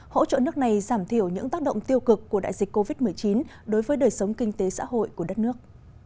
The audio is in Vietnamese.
hỗ trợ nước này giảm thiểu những tác động tiêu cực của đại dịch covid một mươi chín đối với đời sống kinh tế xã hội của đất nước